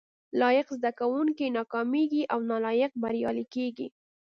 لايق زده کوونکي ناکامېږي او نالايق بريالي کېږي